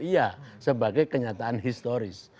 iya sebagai kenyataan historis